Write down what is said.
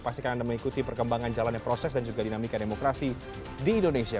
pastikan anda mengikuti perkembangan jalannya proses dan juga dinamika demokrasi di indonesia